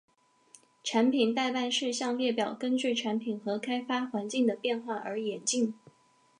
产品待办事项列表根据产品和开发环境的变化而演进。